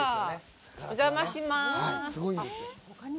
お邪魔しまーす。